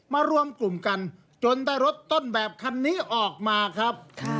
รวมกลุ่มกันจนได้รถต้นแบบคันนี้ออกมาครับ